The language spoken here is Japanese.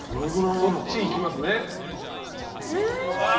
そっちいきますね。